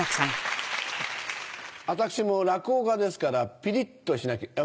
私も落語家ですからピリっとしなきゃ。